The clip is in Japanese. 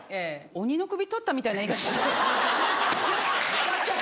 鬼の首取ったみたいな言い方。